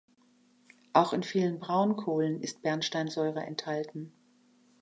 Auch in vielen Braunkohlen ist Bernsteinsäure enthalten.